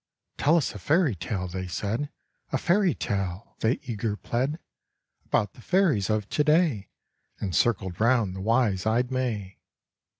"Tell us a fairy tale," they said, "A fairy tale," they eager pled, "About the fairies of to day!" And circled round the wise eyed May.